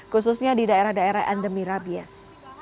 khususnya di daerah daerah endemi rabies